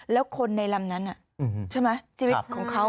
แล้วคนในลำนั้นใช่ไหมชีวิตของเขา